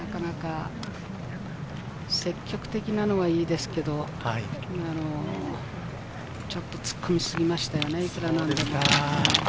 積極的なのはいいんですけれど、ちょっと突っ込みすぎましたよね、いくら何でも。